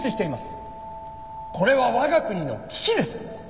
これは我が国の危機です。